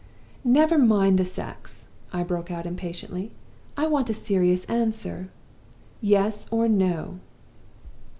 "'Never mind the sex!' I broke out, impatiently. 'I want a serious answer Yes or No?